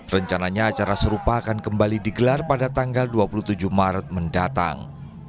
rencananya acara serupa akan kembali digelar pada tanggal dua puluh tujuh maret mendatang